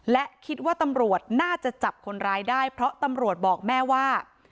และคิดว่าตำรวจน่าจะจับคนร้ายได้เพราะตำรวจบอกแม่ว่า